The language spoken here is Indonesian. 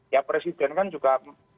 ya presiden kan juga